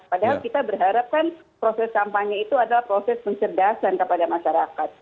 padahal kita berharap kan proses kampanye itu adalah proses pencerdasan kepada masyarakat